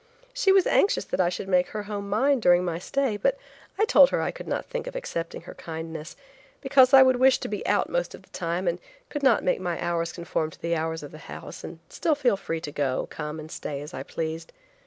She was anxious that I should make her home mine during my stay, but I told her I could not think of accepting her kindness, because I would wish to be out most of the time, and could not make my hours conform to the hours of the house, and still feel free to go, come and stay, as I pleased.